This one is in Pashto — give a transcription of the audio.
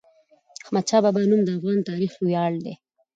د احمدشاه بابا نوم د افغان تاریخ ویاړ دی.